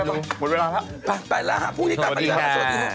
หมดเวลาแล้วป่ะสวัสดีค่ะ